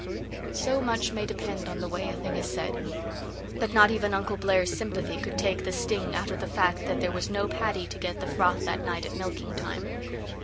So much may depend on the way a thing is said. But not even Uncle Blair's sympathy could take the sting out of the fact that there was no Paddy to get the froth that night at milking time.